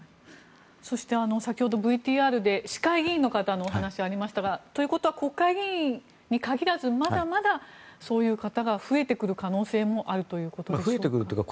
そして、先ほどＶＴＲで市会議員の話がありましたがということは国会議員に限らずまだまだそういう方が増えてくる可能性もあるということでしょうか。